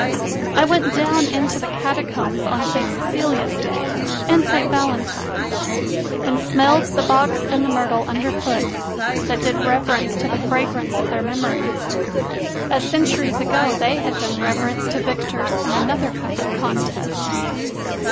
I went down into the Catacombs on St. Cecilia s Day and St. Valentine s, and smelled the box and the myrtle underfoot that did reverence to the fragrance of their memories, as centuries ago they had done reverence to victors in another kind of contest.